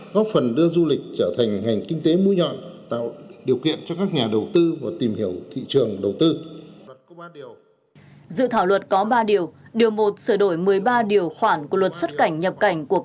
góp phần đưa du lịch trở thành ngành kinh tế mũi nhọn tạo điều kiện cho các nhà đầu tư và tìm hiểu thị trường đầu tư